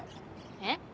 えっ？